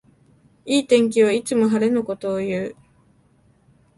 いい天気はいつも晴れのことをいう